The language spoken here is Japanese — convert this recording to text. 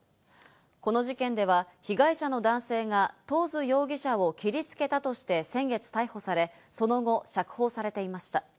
この事件では、被害者の男性がトーズ容疑者を切りつけたとして先月逮捕され、その後、釈放されていました。